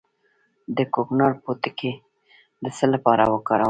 د کوکنارو پوټکی د څه لپاره وکاروم؟